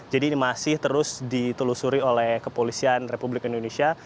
jadi ini masih terus ditelusuri oleh kepolisian republik indonesia